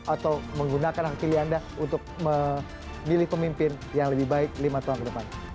atau menggunakan hak pilih anda untuk memilih pemimpin yang lebih baik lima tahun ke depan